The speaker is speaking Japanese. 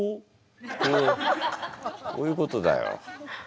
こういうことだよ。